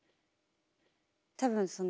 多分その。